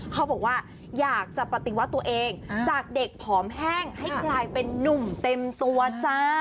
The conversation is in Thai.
เขาบอกว่าอยากจะปฏิวัติตัวเองจากเด็กผอมแห้งให้กลายเป็นนุ่มเต็มตัวจ้า